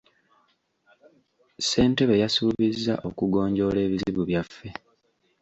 Ssentebe yasuubizza okugonjoola ebizibu byaffe .